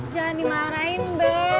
jangan dimarahin be